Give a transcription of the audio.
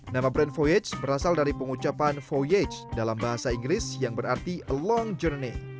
nama brand voyage berasal dari pengucapan voyage dalam bahasa inggris yang berarti long journey